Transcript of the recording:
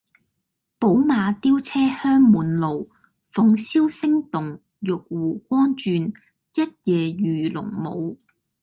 寶馬雕車香滿路，鳳簫聲動，玉壺光轉，一夜魚龍舞